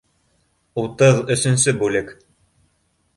Утыҙ өсөнсө бүлек